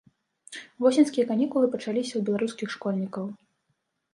Восеньскія канікулы пачаліся ў беларускіх школьнікаў.